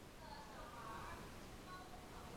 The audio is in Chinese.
此事在绿岛民间和政治犯中间传诵。